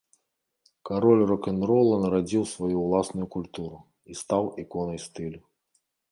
Кароль рок-н-рола нарадзіў сваю ўласную культуру і стаў іконай стылю.